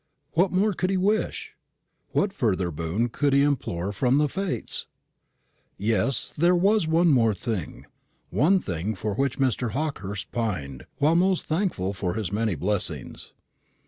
What more could he wish? what further boon could he implore from the Fates? Yes, there was one thing more one thing for which Mr. Hawkehurst pined, while most thankful for his many blessings.